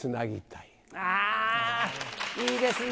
いいですね。